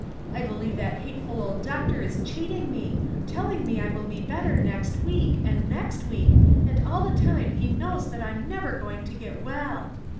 I believe that hateful old doctor is cheating me, telling me I will be better next week, and next week and all the time he knows that I'm never going to get well."